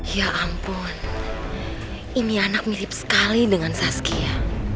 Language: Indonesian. ya ampun ini anak mirip sekali dengan saskia